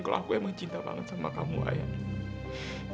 kalau aku emang cinta banget sama kamu ayahnya